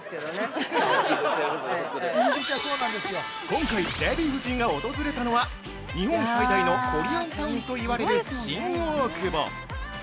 ◆今回、デヴィ夫人が訪れたのは日本最大のコリアンタウンといわれる新大久保。